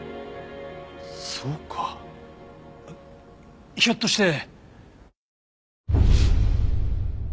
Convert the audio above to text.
そうかひょっとして！